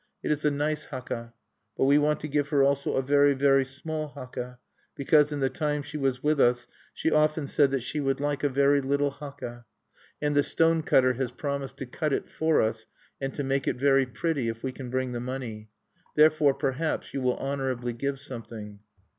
It is a nice haka. But we want to give her also a very, very small haka because in the time she was with us she often said that she would like a very little haka. And the stone cutter has promised to cut it for us, and to make it very pretty, if we can bring the money. Therefore perhaps you will honorably give something."